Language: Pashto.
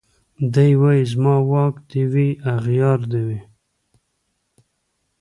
دی وايي زما واک دي وي اغيار دي وي